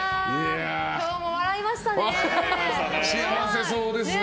今日も笑いましたね。